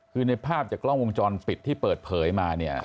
คือในภาพจากกล้องวงจรปิดที่เปิดเผยมาเนี่ย